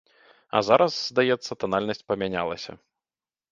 А зараз, здаецца, танальнасць памянялася.